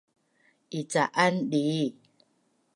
I ca’an dii